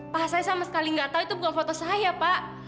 pak saya sama sekali nggak tahu itu bukan foto saya pak